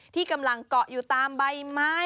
ที่กำลังเกาะอยู่ตามใบไม้